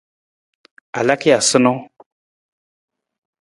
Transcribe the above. A laka ja sanang ?